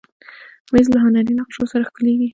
مېز له هنري نقشو سره ښکليږي.